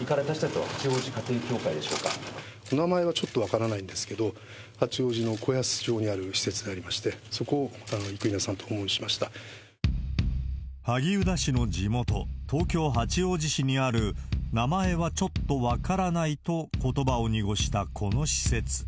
行かれた施設は、名前はちょっと分からないんですけれども、八王子の子安町にある施設でありまして、そこを生稲さんと訪問し萩生田氏の地元、東京・八王子市にある、名前はちょっと分からないと、ことばを濁したこの施設。